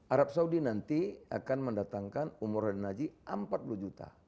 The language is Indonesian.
arab saudi nanti akan mendatangkan umur renaji empat puluh juta